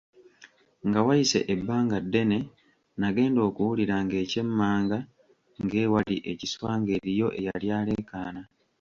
Nga wayise ebbanga ddene nagenda okuwulira ng’ekyemmanga ng’ewali ekiswa ng’eriyo eyali alekaana.